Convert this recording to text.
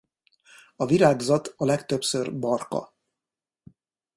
A virágzat a legtöbbször barka.